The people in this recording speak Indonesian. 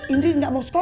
indri nggak mau sekolah